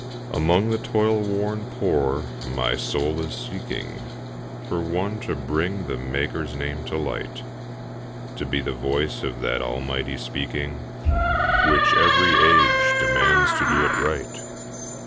Among the toil worn poor my soul is seeking For one to bring the Maker's name to light, To be the voice of that almighty speaking Which every age demands to do it right.